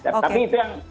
tapi itu yang